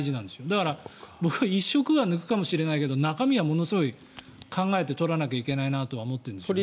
だから僕は１食は抜くかもしれないけど中身はものすごい考えて取らないといけないなとは思ってるんですよ。